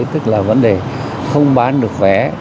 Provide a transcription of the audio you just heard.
tức là vấn đề không bán được vé